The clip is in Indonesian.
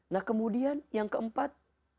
nah kemudian yang keempat